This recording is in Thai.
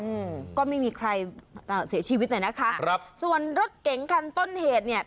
อืมก็ไม่มีใครเอ่อเสียชีวิตเลยนะคะครับส่วนรถเก๋งคันต้นเหตุเนี้ย